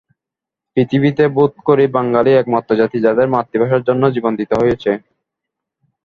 পৃথিবীতে বোধ করি বাঙালিই একমাত্র জাতি, যাঁদের মাতৃভাষার জন্য জীবন দিতে হয়েছে।